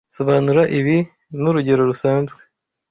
Sobanura ibi nurugero rusanzwe